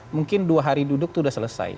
mungkin dua hari duduk itu sudah selesai